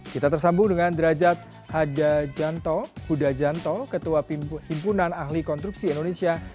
kita tersambung dengan derajat hajanto huda janto ketua himpunan ahli konstruksi indonesia